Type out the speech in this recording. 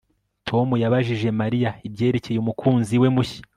Tom yabajije Mariya ibyerekeye umukunzi we mushya